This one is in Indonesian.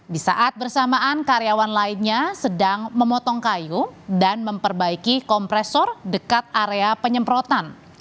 di saat bersamaan karyawan lainnya sedang memotong kayu dan memperbaiki kompresor dekat area penyemprotan